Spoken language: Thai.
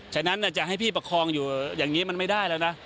ฉะนั้นจะให้พี่ประคองอยู่อย่างนี้มันไม่ได้แล้วนะ